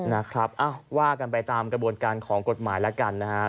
นะครับว่ากันไปตามกระบวนการของกฎหมายแล้วกันนะครับ